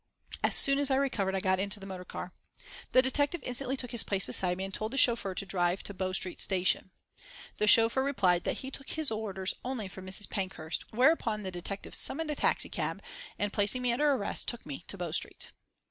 As soon as I recovered I got into the motor car. The detective instantly took his place beside me and told the chauffeur to drive to Bow Street Station. The chauffeur replied that he took his orders only from Mrs. Pankhurst, whereupon the detective summoned a taxicab and, placing me under arrest, took me to Bow Street.